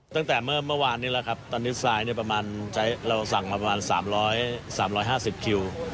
ตั้งแต่เมื่อวานนี้ละครับตอนนี้สายเราสั่งมาประมาณ๓๕๐คิว